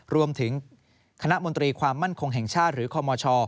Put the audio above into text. รวมถึงคณะมนตรีความมั่นคงแห่งชาติหรือคมช